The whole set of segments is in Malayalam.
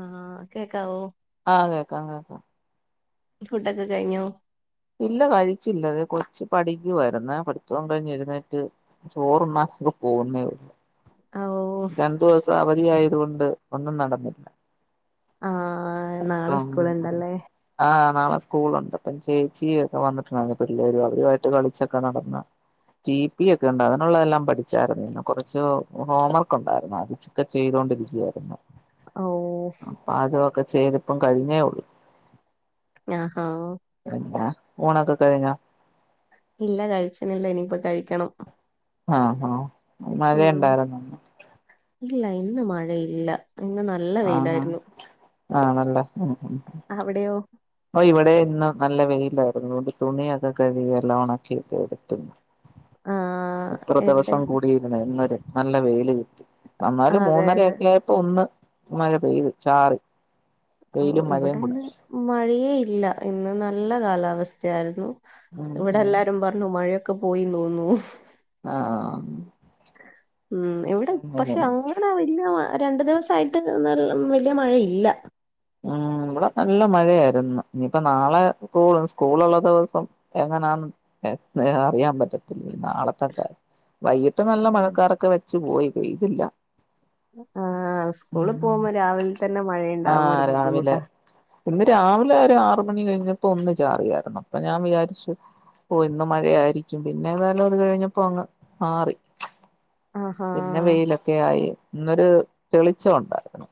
ആഹ് കേക്കാവോ ആഹ് കേക്കാം കേക്കാം ഫുഡൊക്കെ കഴിഞ്ഞു ഇല്ല കഴിച്ചില്ലത് കൊച്ച്പടിക്കുവാര്ന്ന്. പഠത്തോം കഴിഞ്ഞെഴുന്നേറ്റ് ചോറുണ്ണാതെക്ക പോന്നേ ഒള്ളൂ ഓ രണ്ട് ദിവസം അവ ധി ആയത് കൊണ്ട് ഒന്നും നടന്നില്ല ആഹ് നാളെ അപ്പം സ്കൂളുണ്ടല്ലേ ആഹ് നാളെ സ്കൂളൊണ്ട്. ഇപ്പം ചേച്ചി ഒക്കെ വന്നിട്ടൊണ്ടായിരുന്നു. പിള്ളേരും. അവരുമായിട്ട് കളിച്ചൊക്കെ നടന്ന് റ്റിപി ഒക്കെ ഉണ്ട് അതിനൊള്ളതെല്ലാം പഠിച്ചായിരുന്നു. ന്നെ കുറച്ച് ഹോം വർക്ക് ഒണ്ടായിരുന്നു അതിച് ഒക്കെ ചെയ്തൊണ്ടിരിക്കുവായിരുന്നു ഓ ഒക്കെ ചെയ്ത്പ്പം കഴിഞ്ഞേ ഉള്ളൂ ആഹ ഉ [unintelligible] ഊണൊക്കെ കഴിഞ്ഞൊ? ഇല്ല കഴിച്ചനില്ല. ഇനിപ്പ കഴിക്കണം. ആഹ ആഹ മഴ ഉം ഉണ്ടായിര്ന്നോന്ന് ഇല്ല ഇന്ന് മഴയില്ല ഇന്ന് നല്ല വെയിലായിരുന്നു ആണല്ലെ ഉം ഉ അവിടെയോ ഇവിടെ ഇന്ന് നല്ല വെയിലായിരുന്നു. അതുകൊണ്ട് തുണിയൊക്കെ കഴുകിയെല്ലാം ഒണക്കിയെക്കെ എടുത്തു ആഹ് ഇത്ര എവിടെ ദിവസം കൂടിയിര്ന്ന ഇന്നര് നല്ല വെയില് കിട്ടി ആ, അന്നാലും അതെ അതെ മൂന്നരയൊക്കെ ആയപ്പോ ഒന്ന് മഴ പെയ്തു ചാറി ഓ വെയിലും മഴയും കൂടെ ഇവിടെന്ന് മഴയെല്ല ഇല്ല ഇന്ന് നല്ല കാലാവസ്ഥയായിരുന്നു ഉം ഇവിടെ ഉം എല്ലാരും പറഞ്ഞു മഴയൊക്കെ ഒക്കെ പോയി തോന്നു ആ ഉം ഇവിടെ പക്ഷെ ഉം അങ്ങനെ വലിയ രണ്ടു ദിവസായിട്ട് വല്യമഴയില്ല ഉം ഇവിടെ നല്ല മഴയാരുന്നു. ഇനിയിപ്പ നാളെ സ്കൂള സ്കൂളൊള്ള ദിവസം എങ്ങനാന്ന് അറിയാൻ പറ്റത്തില്ല. നാളത്തക്കാര്യം. വൈകിട്ട് നല്ല മഴക്കാറൊക്കെ വെച്ച് പോയി. പെയ്തില്ല. ആ് സ്കൂളിൽ പോകുമ്പോ രാവിലെ തന്നെ മഴയണ്ടാവും ആഹ് രാവിലെ ഇന്ന് രാവിലെ ഒരു ആറ് മണി കഴിഞ്ഞപ്പോ ഒന്ന് ചാറിയായിരുന്നു. അപ്പൊ ഞാൻ വിചാരിച്ചു ഓ ഇന്ന് മഴയായിരിക്കും പിന്നെ ഏതായാലും അത് കഴിഞ്ഞപ്പോ അങ്ങ് മാറി ആഹാ പിന്നെ വെയിലൊക്കെ ആയി ഇന്നൊരു തെളിച്ചം ഉണ്ടായിരുന്നു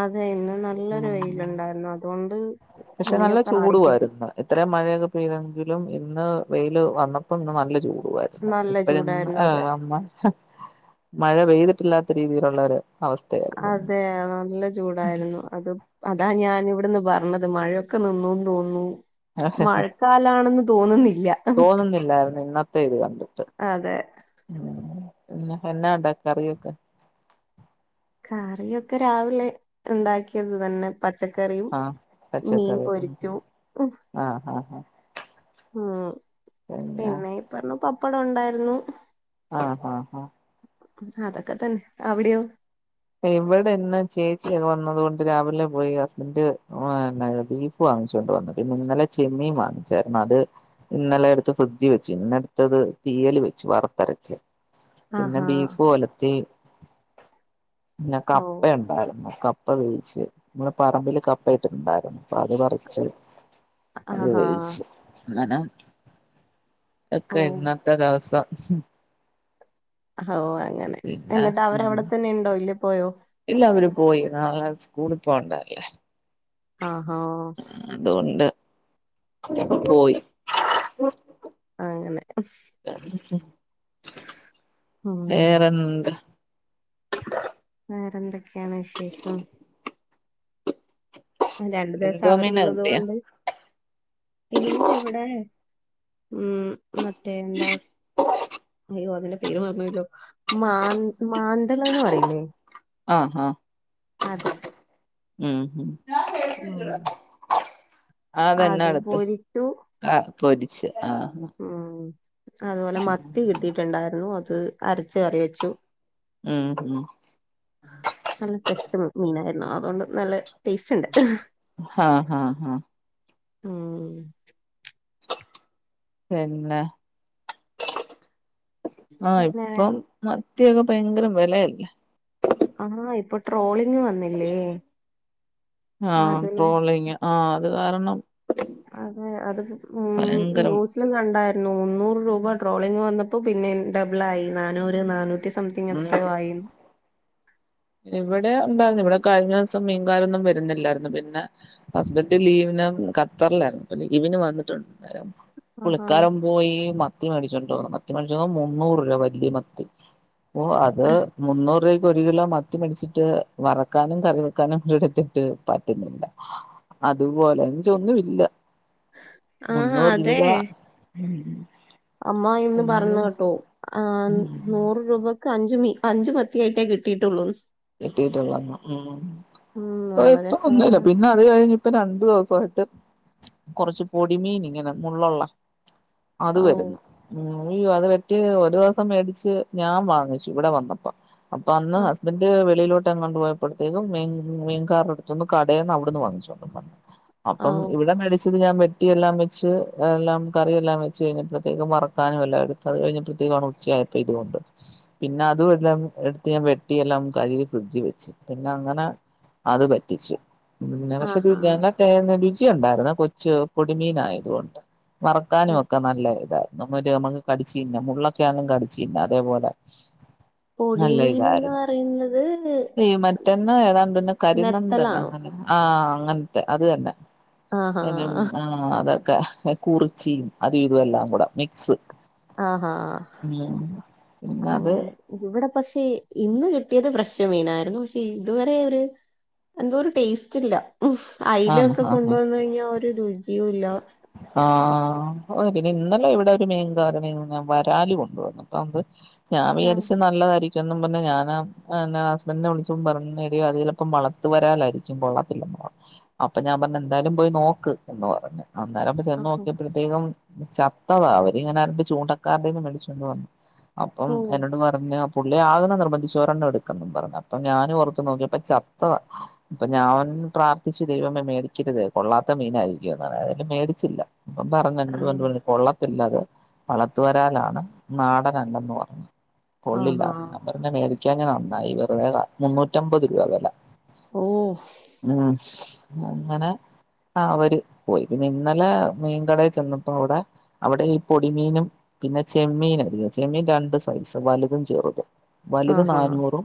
അതെ യിന്ന് നല്ലൊരു വെയില ഉണ്ടായിരുന്നു അതുണ്ട് പക്ഷെ നല്ല ചൂടുവായിരുന്നു എത്ര മഴ പെയ്തെങ്കിലും ഇന്ന് വെയിൽ വന്നപ്പോ ഇന്ന് നല്ല ചൂ ടായിരുന്നു. നല്ല ഇപ്പഴ് ചൂടായിരുന്നു അത് അമ്മ മഴ പെയ്തിട്ടില്ലാത്ത രീതിയിലുള്ളര് അതെ നല്ല ചൂടായിരുന്നു അത് അതാ ഞാൻ ഇവിടുന്ന് പറഞ്ഞത് മഴയൊക്കെ നിന്ന തോന്നുന്നു മഴക്കാലാണെന്ന് തോന്നുന്നില്ല പയ്തു കണ്ട് അതെ ഉന്നന്നാ ഉണ്ടാക്കാക്കറിയൊക്കെ കറിയൊക്കെ രാവിലെ ഉണ്ടാക്കിയത് തന്നെ പച്ചക്കറിയും ആഹ് മീൻ പച്ചക്കറി ആഹ് പൊരിച്ചു ആഹ് ആഹ് ഉം പിന്നെ ഇ പറഞ്ഞ പ പ്പട ണ്ടായിര്ന്നു ആഹ് ഹ ഹ അതൊക്കെ തന്നെ അവിടെയൊ ഇവിടെ ഇന്ന് ചേച്ചിയൊക്കെ വന്നത് കൊണ്ട് രാവിലെ പോയി ഹസ്ബന്റ് ണ്ടായി ബീഫ് വാങ്ങിച്ചൊണ്ട് വന്നു പിന്നെ ന്നലെ ചെമ്മീൻ വാങ്ങിച്ചായിരുന്നു അത് ഇന്നലെ എടുത്ത് ഫ്രിഡ്ജി വെച്ചിന്നു ന്നെടുത്തത് തീയൽ വെച്ചു വർത്തരച്ച് പിന്നെ ആഹാ. ബീഫ് ഒലത്തി പിന്നെ ഓ. കപ്പ ണ്ടായിര്ന്നു ക പ്പ വേവിച്ച് മ്മളെ പറമ്പില് കപ്പ ഇട്ടിട്ടുണ്ടായിരുന്നു പ്പ ത് പറിച്ച് ആഹ് ഹാ ടാ ന്നാ ഓ. ഒക്കെ ഇന്നത്തെ ദിവസം ഓ അങ്ങനെ പിന്നെ എന്നിട്ട് ഉം അവരവിടെത്തന്നെ ണ്ടോ ഇല്ല പോയോ ഇല്ല അവര് പോയി നാളെ സ്ക്കൂളി പോണ്ടല്ലേ ആ ഹോ അതുകൊണ്ട് പോയി ങ്ങനെ ഉം. വേറെന്ത് [inaudible] വേറെ ന്തെ ക്കെണ് വിശേഷം രണ്ട് ദിവസം എന്തോമീന അവരുള്ളത് കിട്ടിയ കൊണ്ട് ഇന്നി വിടെ ഉം മറ്റേ എന്താ അയ്യോ അതിന്റെ പേര് മറന്നോയല്ലോ മാന് മാന്തള് ന്ന് പറയില്ലേ ആ ആ അത് ഉം ഉം അത് അതെന്നെടുത്ത് പൊരിച്ചു. ആ പൊരിച്ച് ആഹ് ഉം അതുപോലെ മത്തി കിട്ടിട്ടുണ്ടായിരുന്നു അത് അരച്ച് കറിവെച്ചു ആ ഉം നല്ല തടിച്ച മ മീനായിരുന്നു അതൊണ്ട് നല്ല ടേസ്റ്റ് ണ്ട് ഹ ഹ ഹ ഉം പിന്നെ ആ പിന്നെ ഇപ്പം മ ത്തിയൊക്കെ ഭയങ്കരം വെലയല്ലേ ആ ഇപ്പൊ ട്രോളിങ് വന്നില്ലേ ആ അതിനും ട്രോളിങ് ആ അത് കാരണം അതെ അത് ഉം ഭയങ്കരം ന്യൂസിലും കണ്ടാ നൂന്നൂറ് രൂപ ട്രോളിംഗ വന്നപ്പോ പിന്നെ ഡബിളായി നാന്നൂറ് നാന്നൂറ്റി സം സംതിങ് ഉം എത്രയോ ആയി ഇവിടെ ഉണ്ടായിരുന്നു ഇവിടെ കഴിഞ്ഞ ദിവസം മീൻകാരൊന്നും വരുന്നില്ലായിരുന്നു പിന്നെ ഹസ്ബന്റ് ലീവിന് ഖത്തറിലായിരുന്നു ലീവിന് വന്നിട്ടുണ്ട് ആഹാ പുള്ളിക്കാരം പോയി മത്തി മേടിച്ചോടു മത്തി മേടിച്ചതോ മുന്നൂറൂരൂപ മത്തി ഓ അത് മുന്നൂർ ഒരു കിലോ മ ത്തി മേടിച്ചിട്ട് വറക്കാനും കറി വെക്കാനും എടുത്തിട്ട് പറ്റുന്നില്ല അതുപോലെ [unintelligible] ഒന്നും ഇല്ല മുന്നൂറ് രൂപ അമ്മാ ഇന്ന് പിന്നെ പറഞ് കേട്ടൂ ആഹ് നൂറ് രൂപക്ക് അഞ്ച് മീ അഞ്ചു മത്തിയായിട്ടേ കിട്ടിയിട്ടുള്ളൂ കിട്ടിട്ടുള്ള ഉം ഉം ഇപ്പൊ വളരെ ഇപ്പൊ കുറവാ ഒന്നുല്ല പിന്നെ അത് കഴിഞ്ഞിട്ട് രണ്ടു ദിവസായി കൊറച്ച് പൊടിമീൻ ഇങ്ങനെ മുള്ളുള്ള അത് ഔ വരും ഉം അയ്യോ അത് വെറ്റി ഒരു ദിവസം മേടിച്ച് ഞാൻ വാങ്ങിച്ചു ഇവിടെ വന്നപ്പം വന്നോ ആഹ് ഹസ്ബൻഡ് വെള്ളിലോട്ടങ്ങാ പോയപ്പോഴ്തെക്കും മീ മീൻകാര് എടുത്തിന്നു കടയിന്ന് അവിടുന്ന് വാങ്ങിച്ചു ഔ അപ്പം ഇവിടെ മെഡിസി ത് ഞാൻ വെട്ടിയെല്ലാം വെച്ച് എല്ലാം കറി എല്ലാം വെച്ച് കഴിഞ്ഞപ്പത്തേക്കു വറക്കാനു അല്ലാ എടുത്തത് കഴിഞ്ഞപ്പത്തേക്ക് ഉച്ചയായപ്പ ഇതുണ്ട് പിന്നെ അതു എല്ലാ എടുത്ത് ഞാൻ വെട്ടിയെല്ലാം കയ്കി ഫ്രിഡ്ജ് വെച്ച് പിന്നെ അങ്ങനെ അത് വറ്റിച്ചു [unintelligible] ആഹാ ച്ചി ഉണ്ടായിരുന്നെ കൊച്ചു പൊടിമീൻ ആയത് കൊണ്ട് വറക്കാനും ഒക്കെ നല്ല ഇതായി നമ്മ നമ്മക്ക് കടിച്ചീന്നാം മുള്ളക്കെയാണെ കടിച്ചീന്നാം അതേപോല പൊടിമീനെന്ന് പറയുന്ന ഈ മറ്റന്ന ഏതാണ്ട്ന്നെ കരിനന്ദന നെത്തലാണോ അങ്ങനെ ആഹ് അങ്ങനത്തെ അത് തന്നെ ആഹാ [unintelligible] ആഹ് അതെ ക്ക്ഹ കുറിച്ചിയും അതും ഇതും എല്ലാം കൂടെ മിക്സ് ആ ഹാ ഉം പിന്നെ അത് അങ്ങനെ ഇവിടെ പക്ഷെ ഇന്ന് കിട്ടിയത് ഫ്രഷ് മീനാരുന്നു പക്ഷെ ഇതുവരെ ഒരു എന്തോ ഒരു ടേസ്റ്റ് ഇല്ല ഉം ആഹ് അയിലൊക്കെ ആഹ് കൊണ്ടു ആഹ് വന്നു കഴിഞ്ഞാ ഒരു രുചി ഇല്ല ആഹ് ഓ പിന്നെ ഇന്നലെ ഇവിടെ ഒരു മീൻകാരനിങ്ങനെ വരാല് കൊണ്ടുവന്നു പാമ്പ് ഞാൻ ആഹ്. വിചാരിച്ച് നല്ലതാരി ചെന്നു മുന്നേ ഞാൻ ആഹ് ഹസ്‌ബെൻഡിനെ വിളിച്ചും പറഞ്ഞ് എടീ അത് ചെലപ്പം വളത്ത് വരലാരിക്കും കൊള്ളത്തില്ല എന്ന് പറഞ്ഞ് അപ്പ ഞാൻ പറഞ്ഞ് എന്താലും പോയ്‌ നോക്ക് എന്ന് പറഞ്ഞ് അന്നേരപ്പ ആഹാ. ചെന്നൊക്കിയപ്പഴ് ത്തേക്കും ചത്തതാ അവരിങ്ങനെ [unintelligible] ചൂണ്ടക്കാരുടെന്ന് മേടിച്ചൊണ്ട് വന്ന് അപ്പം ഓഹ്. എന്നോട് പറഞ്ഞ് പുള്ളി ആകുന്ന നിർബന്ധിച്ച് ഒരെണ്ണം എടുക്കുന്നെന്നും പറഞ്ഞു അപ്പൊ ഞാനും ഓർത്ത് നോക്കിയപ്പ ചത്ത അപ്പൊ ഞാൻ പ്രാത്ഥിച്ച് ദൈവമേ മേടിക്കരുതെ കൊള്ളാത്ത മീനായിയിരിക്കും എന്ന്‌ മേടിച്ചില്ല ഇവൻ പറഞ്ഞ് എന്നോട് ആഹ്. പറഞ്ഞ് കൊള്ള ത് അല്ലത് വളത്ത് വരാലാണ് നാടനല്ലന്ന് പറഞ്ഞ് ആഹാ. കൊള്ളില്ലാന്ന് ഞാൻ പറഞ്ഞ് മേടി ഞ്ഞ നന്നായി വെറുതെ മുന്നൂറ്റമ്പത് രൂപ വെല ഓഹ്. ഉം അങ്ങന അവര് പോയി പിന്നെ ഇന്നല മീൻകടേം ചെന്നപ്പോ അവിട അവിട ഈ പൊടിമീനും പിന്ന ചെമ്മീനും [unintelligible] ചെമ്മീൻ രണ്ട് സൈസ് വലുതും ചെറുതും വലുത് ആഹാ. നാന്നൂറും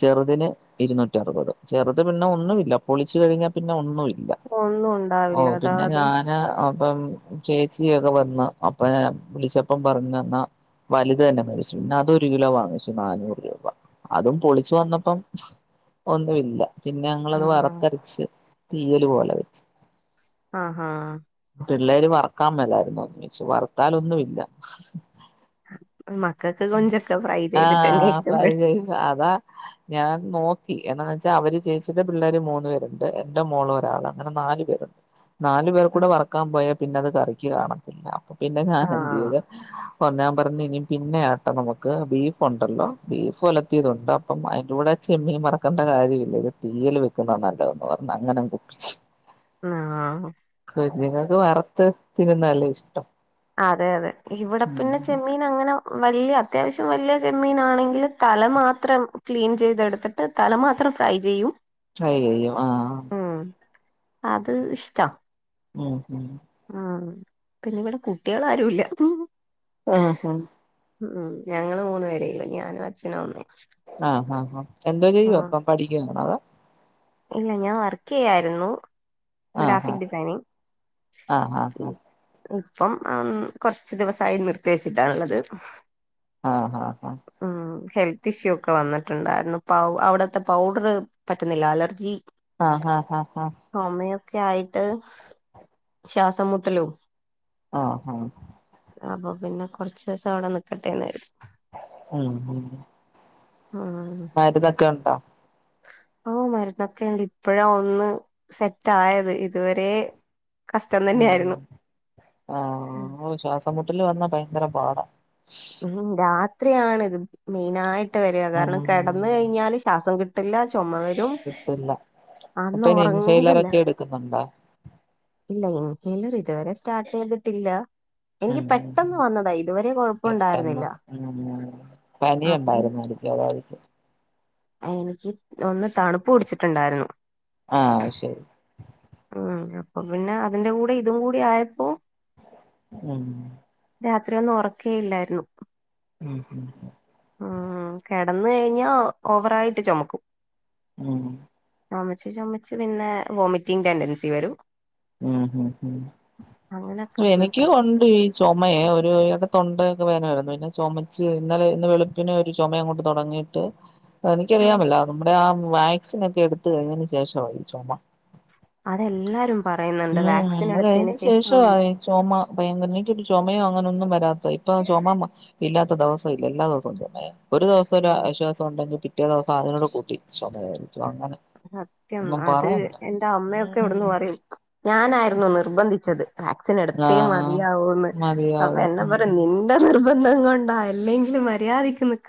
ചെറുതിന് ഇരുന്നൂറ്റി അറുപത് ചെറുത് പിന്നെ ഒന്നൂല്ല പൊളിച്ച് കഴിഞ്ഞാ പിന്ന ഒന്നുമില്ല ഒന്നും ഒണ്ടാവില്ല അത് പിന്ന ഞാന് അപ്പം ചേച്ചിയൊക്കെ വന്ന് അപ്പം വിളിച്ചപ്പം പറഞ്ഞു എ ന്നാ വലുത് തന്നെ മേടിച്ചു പിന്നെ അത് ഒരു കിലോ വാങ്ങിച്ചു നാന്നൂറ് രൂപ അതും പൊളിച്ചു വന്നപ്പം ഒന്നും ഇല്ല പിന്ന ഞങ്ങളത് ആഹാ. വറത്തരച്ച് തീയല് പോല വെച്ച് ആങ്‌ഹ് ആ ആ പിള്ളേര് വറക്കാൻ മേലാരുന്നോ എന്ന്‌ ചോച്ചു വറുത്താലൊന്നും ഇല്ല മക്കക്ക് കൊഞ്ചൊക്കെ ഫ്രൈ ആ ചെയ്തിട്ടന്നെ ഇഷ്ടപ്പെടും. [unintelligible] അതാ ഞാൻ നോ എന്നാന്ന് വെച്ചാ അവര് ചേച്ചിട്ട് പിള്ളേർ മൂന്ന് പേരുണ്ട് എന്റെ മോളും ഒരാള അങ്ങനെ നാല് പേരുണ്ട് നാല് പേർ കൂടെ ആഹ്. വറ് ക്കാൻ പോയാ പിന്നെ അത് കറിക്ക് കാണത്തില്ല അപ്പൊ പിന്നെ ഞൻ എന്ത്‌ ചെയ്ത് ഞ്ഞാൻ പറഞ് ഇനി പിന്നവട്ടെ നമുക്ക് ബീഫ്ണ്ടല്ലോ ബീഫ് ഒലത്തിയതുണ്ട് അപ്പം അതിന്റെ കൂടെ ചെമ്മീൻ വറക്കേണ്ട കാര്യമില്ല ഇത് തീയൽ വെക്കുന്ന നല്ലതന്ന് പറഞ് അങ്ങനെങ്‌ ഒപ്പിച് ആ നിങ്ങൾക്ക് വറുത്ത് തിന്നുന്നല്ലേ ഇഷ്ടം അതെ അതെ ഇവിടെ പിന്നെ ഉം ചെമ്മീൻ അങ്ങനെ വലിയ അത്യാവശ്യം വലിയ ചെമ്മീനാണെങ്കിൽ തല മാത്രം ക്ലീൻ ചെയ്തെടുത്തിട്ട് തല മാത്രം ഫ്രൈ ചെയ്യും ഫ്രൈ ചെയ്യും അ ആ ഉം. അത് ഇഷ്ടാ ഉം ഉം പിന്നവിടെ കുട്ടികൾ ആരുംല്ല ആ ആ ഉം ഞങ്ങൾ മൂന്ന് പേരെയുള്ളൂ ഞാനും അച്ഛനും അമ്മേ ആഹ് ഹാ ഹാ എന്തോ ചെയ്യുവ അപ്പ പഠിക്കുകാണ അതോ ഇല്ല ഞാൻ വർക്ക് ചെയ്യായിരുന്നു ആഹ് ഹാ ഗ്രാഫിക് ഡിസൈനിംങ് ആഹ് ഹാ ഹാ ഇപ്പം കുറച്ച് ദിവസമായി നിർത്തി വെച്ചിട്ടാള്ളത് ആഹ് ഹാ ഉ ഹെൽത്ത് ഇഷ്യൂ ഒക്കെ വന്നിട്ടുണ്ടായിരുന്നു അവിടുത്തെ പൗഡറ് പറ്റുന്നില്ല അലർജി ആ ഹഹ ഹഹ ഒക്കെ ആയിട്ട് ശ്വാസംമുട്ടലും ആ ആ അപ്പൊ പിന്നെ കുറച്ച് ദിവസം അവിടെ നിക്കട്ടേന്നുകരുതി ഉം ഉം ഉം മരുന്നൊക്കെ ഉണ്ടോ ഓ മരുന്നൊക്കെണ്ട് ഇപ്പോഴാ ഒന്ന് സെറ്റ് ആയത് ഇതുവരെ കഷ്ടം ഉം തന്നെയായിരുന്നു ഉം ആ ശ്വാസം മുട്ടല് വന്നാ പ ങ്കര പാട ഉം രാത്രിയാണ് ഇത് മെയിനായിട്ട് വരിക ഉം കാരണം കിടന്ന കഴിഞ്ഞാല് ശാസം കിട്ട ട്ടില്ലാ കിട്ടില്ല അന്ന് അപ്പൊനി ഉറങ്ങുന്നില്ല ഇൻഹെല്ലറൊക്കെ എടുക്കുന്നുണ്ടോ ഇല്ല ഇൻഹേലർ ഇതുവരെ സ്റ്റാർട്ട് ചെയ്തിട്ടില്ല എനിക്ക് ഉം ഉം പെട്ടെന്ന് വന്നതാ ഇതുവരെകൊഴപ്പ പെട്ടെന്ന് ഉം പനി അപ്പം ഉണ്ടായിന്നായിരിക്കും അതായിരിക്കും എനിക്ക് ഒന്ന് തണുപ്പ് പിടിച്ചിട്ടുണ്ടായിരുന്നു ആ ശരി ഉം അപ്പൊ പിന്നെ അതിന്റെ കൂടെ ഇതും കൂടി ആയപ്പോ ഉം രാത്രി ഒന്നും ഉറക്കേയില്ലായിരുന്നു [unintelligible] കന്ന് കഴിഞ്ഞാ ഓവറായിട്ട് ചൊമക്കും ഉം ചുമച്ച് ചുമച്ച് പിന്നെ വോമിറ്റിംഗ് ടെൻഡൻസി വരും ഉം ഉം അങ്ങനൊക്കെ ഫുൾ പ്രശ്നം എനിക്കുവൊണ്ട് ഈ ചൊമേയേ ഒരു ഇടെ തൊണ്ടയൊക്കെ വേനായിരുന്നു പിന്നെ ചുമച്ച് ഇന്നലെ ഇന്ന് വെളുപ്പിന് ഒരു ചുമ അങ്ങോട്ട് തുടങ്ങിയിട്ട് ആ എനിക്കറിയാമല്ല നമ്മുടെ ആ വാക്സിനൊക്കെ എടുത്ത കഴിഞ്ഞേന് ശേഷമാ ചൊമ അതെല്ലാരും പറയുന്നുണ്ട് ഉം വാക്സിൻ അത് എടുത്തതിന് കഴിഞ്ഞേന് ശേഷം ശേഷവാ ഈ ചൊമ ഭയങ്കര എനിക്കൊരു ചൊമയോ അങ്ങനെൊന്നും വരാത്ത ഇപ്പൊ ചുമ ഇല്ലാത്ത ദെവസം ഇല്ല എല്ലാ ദിവസവും ചുമയാ ഒരു ദെവസം ഒരു ഉം ആശ്വാസണ്ടെങ്കി പി പിറ്റേ ദിവസം അതിനോട് കൂട്ടി ചൊമയായിരുന്നു സത്യം അത് എന്റെ അമ്മയൊക്കെ ഉം ഇവിടന്ന് പറയും ഞാനായിരുന്നു നിർബന്ധിച്ചത് വാക്സിൻ എടുത്തേ ആഹ് മതിയാവോന്ന് അപ്പൊ മതിയാവും എന്ന പറം ഉം നിന്റ നിർബന്ധം കൊണ്ടാ അല്ലെങ്കില് മര്യാദക്ക് നിക്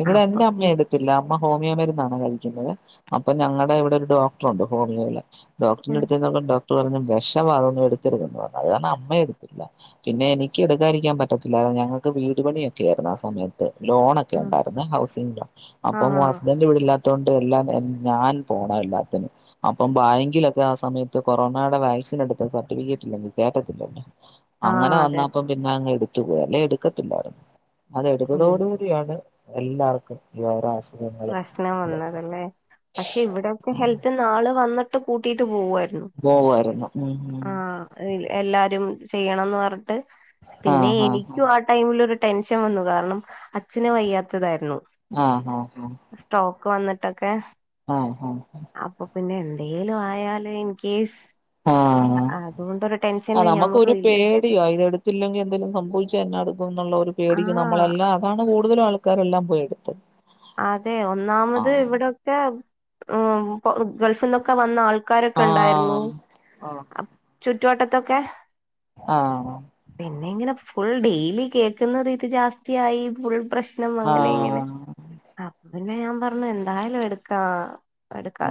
ഇവിടെ അപ്പൊ എന്റെ അമ്മെ പിന്നെ എടുത്തില്ല മ ഹോമിയോ മരുന്നാണ് കഴിക്കുന്നത് അപ്പൊ ഞങ്ങടെ ഇവിടെ ഒരു ഡോക്ടറുണ്ട് ഹോമിയോയില് ആ ഡോക്ടിന്റെടുത്ത് ചെന്നപ്പോ ഡോ ക്ട്രറ് ഞ്ഞ് വെഷവാ അതൊന്നും എടുക്കരുതെന്ന് പറഞ്ഞ് അത്കാരണം അമ്മയെടുത്തില്ല പിന്നെ എനിക്ക് എടുക്കാതിരിക്കാൻ പറ്റത്തില്ലാര്ന്ന് ഞങ്ങക്ക് വീട്ടു പണിയൊക്കെയായിരുന്നു ആ സമയത്ത് ലോണൊക്കെ ഒണ്ടായിരുന്നു ഹൗസിന്റെ ആ അപ്പം ഹസ്ബൻഡ് ഇവടില്ലാത്ത ത്തോണ്ട്എല്ലാം ഞാൻ പോണ എല്ലാത്തിനും അപ്പം ബാങ്കിലൊക്കെ ആ സമയത്ത് കൊറോണായുടെ വാക്സിൻ എടുത്ത സർട്ടിഫിക്കെറ്റ് ഇല്ലെങ്കിൽ കേറ്റത്തില്ലന്നെ ആ ആ, അങ്ങനെ അതെ അതെ വന്നാപ്പം പിന്നെ അങ്ങ് എടു ത്തു പോയിഅല്ലെ എടുക്ക ത്തില്ലാര്ന്ന് ഉം അതെടുത്തതോടുകൂടിയാണ് എല്ലാർക്കും [unintelligible] പ്രശ്നം വന്നതല്ലേ പക്ഷെ ഇവിടൊക്കെ ഹെൽത്ത്ന്നാള് വന്നിട്ട് കൂട്ടിട്ട് പോവ്വായിരുന്നു പോവായിരുന്നു ഉം ഉം ആഹ് എല്ലാരും. ചെയ്യണംന്ന് പറഞ്ഞി ട്ട്പിന്നെ ആഹ് ആഹ് എനിക്കും ആ ടൈമിൽ ഒരു ടെൻഷൻ വന്നു കാരണം അച്ഛന് വയ്യാത്തതായിരുന്നു. ആഹ് ആഹ് സ്റ്റോക്ക് വന്നിട്ട് ട്ടൊക്കെ ആഹ് ഹാ ഹ പിന്നെ എന്തെലും ആയാൽ ഇൻ കേസ് ആഹ് അതുകൊണ്ടൊരു ആ ടെൻഷനില് ഞാൻ നമുക്കൊരു പറഞ്ഞു ഇല്ല പേടിയാ ഇത് എടുത്തില്ലെങ്കിൽ എന്തെലും സംഭവിച്ചാ എന്നാട് എന്നൊള്ള ഒരു ആ പേടിക്ക് നമ്മളെല്ലാം അതാണ് ഓ കൂടുതലും ആൾക്കാരെല്ലാം പോയെടുത്തു അതെ ഒന്നാമത് ഇവിടൊക്കെ മ്പുറത്ത് ഗൾഫിൽ നിന്നൊക്കെ വന്ന ആൾക്കാ ക്കാരൊക്കെ ഉണ്ടായിരുന്നു. ആഹ് ചുറ്റുവട്ടത്തൊക്കെ ആഹ് പിന്ന ഇങ്ങനെ ഫുൾ ഡെയിലി കേക്കുന്നത് ഇത് ജാസ്തിയായി ഫുൾ പ്രശ്നം അങ്ങനെ ഇങ്ങനെ ആഹ് അപ്പൊ പിന്നെ ഞാൻ പറഞ്ഞു എന്തായാലും എടുക്കാ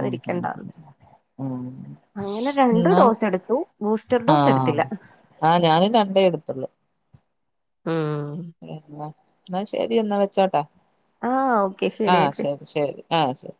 ഉ ഉ അങ്ങനെ രണ്ട് എന്നാ ഡോസ് എടുത്തു ബൂസ്റ്റർ ഡോസ് ആഹ് എടുത്തില്ല ആഹ് ഞാനും രണ്ടേ എടുത്തുള്ളൂ ആ ഉഹ എന്നാ ശരി എന്നാ വെച്ചോട്ടെ ആഹ് ഓക്കെ ആ ചേച്ചി ശരി ശരി ആ ശരി